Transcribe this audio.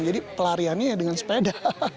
jadi pelariannya dengan sepeda